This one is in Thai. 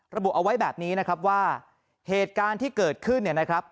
ระบุเอาไว้แบบนี้นะครับว่าเหตุการณ์ที่เกิดขึ้นเนี่ยนะครับ